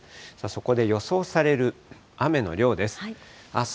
そこで予想される雨の量です。